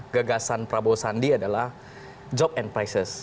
gagasan prabowo sandi adalah job and prices